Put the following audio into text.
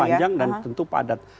panjang dan tentu padat